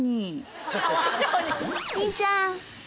鈴ちゃん！